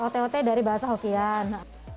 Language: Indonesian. oke otot dari bahasa hokkien